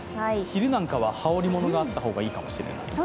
昼なんかは羽織り物があった方がいいかもしれないです。